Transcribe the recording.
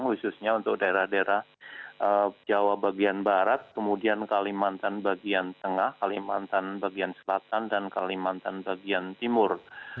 khususnya untuk daerah daerah jawa bagian barat kemudian kalimantan bagian tengah kalimantan bagian selatan dan kalimantan bagian timur